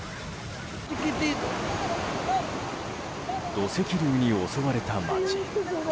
土石流に襲われた町。